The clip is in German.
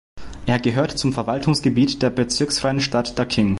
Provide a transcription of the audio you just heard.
Er gehört zum Verwaltungsgebiet der bezirksfreien Stadt Daqing.